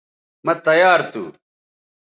مہ تیار تھو